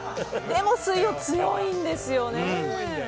でも水曜強いんですよね。